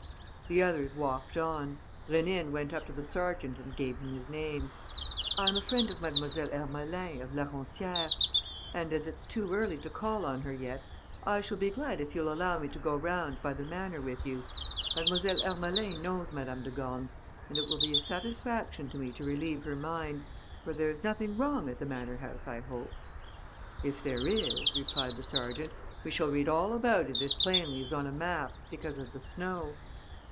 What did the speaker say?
The others walked on. Rénine went up to the sergeant and gave him his name: "I'm a friend of Mlle. Ermelin, of La Roncière; and, as it's too early to call on her yet, I shall be glad if you'll allow me to go round by the manor with you. Mlle. Ermelin knows Madame de Gorne; and it will be a satisfaction to me to relieve her mind, for there's nothing wrong at the manor house, I hope?" "If there is," replied the sergeant, "we shall read all about it as plainly as on a map, because of the snow."